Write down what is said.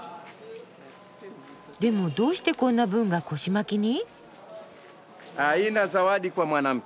でもどうしてこんな文が腰巻きに？